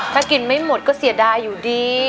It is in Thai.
ถ้ากินไม่หมดก็เสียดายอยู่ดี